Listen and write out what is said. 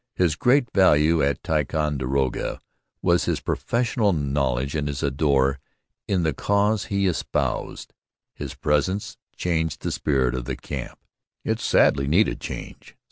His great value at Ticonderoga was his professional knowledge and his ardour in the cause he had espoused. His presence 'changed the spirit of the camp.' It sadly needed change.